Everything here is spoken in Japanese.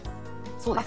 そうです。